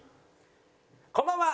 こんばんは！